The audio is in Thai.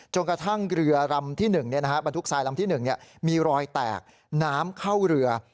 กระทั่งเรือลำที่๑บรรทุกทรายลำที่๑มีรอยแตกน้ำเข้าเรือ